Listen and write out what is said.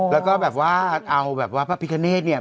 แล้วก็แบบว่าเอาแบบว่าพระพิคเนธเนี่ย